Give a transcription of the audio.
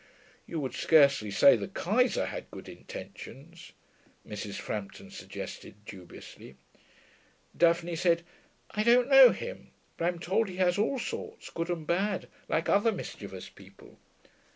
'You would scarcely say the Kaiser had good intentions,' Mrs. Frampton suggested dubiously. Daphne said, 'I don't know him, but I'm told he has all sorts, good and bad, like other mischievous people.'